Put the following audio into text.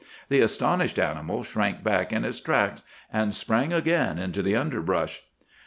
The astonished animal shrank back in his tracks, and sprang again into the underbrush.